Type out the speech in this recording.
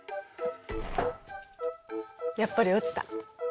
やっぱり落ちた。